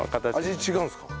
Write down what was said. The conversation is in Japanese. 味違うんですか？